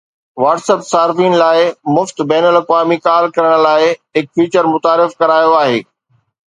WhatsApp صارفين لاءِ مفت بين الاقوامي ڪال ڪرڻ لاءِ هڪ فيچر متعارف ڪرايو آهي